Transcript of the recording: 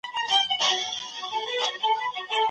تاسو باید په خپله پوهنه باندي غرور ونه کړئ.